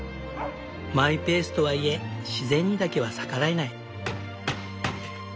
マイペースとはいえ自然にだけは逆らえない。